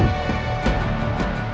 aku mau ke kanjeng itu